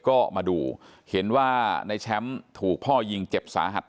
ก็มาดูเห็นว่าในแชมป์ถูกพ่อยิงเจ็บสาหัส